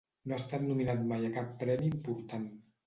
No ha estat nominat mai a cap premi important.